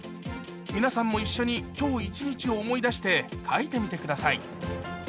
皆さんも一緒に今日一日を思い出して書いてみてください